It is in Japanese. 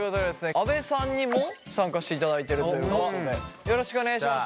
阿部さんにも参加していただいてるということでよろしくお願いします。